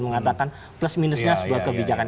mengatakan plus minusnya sebuah kebijakan